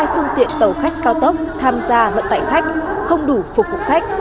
hai phương tiện tàu khách cao tốc tham gia vận tải khách không đủ phục vụ khách